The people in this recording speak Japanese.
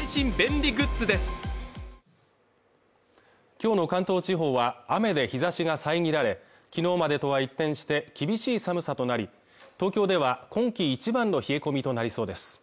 今日の関東地方は雨で日差しが遮られ昨日までとは一転して厳しい寒さとなり東京では今季一番の冷え込みとなりそうです